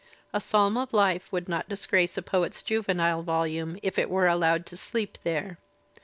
''A Psalm of Life" would not disgrace a poet's juvenile volume, if it were allowed to sleep there.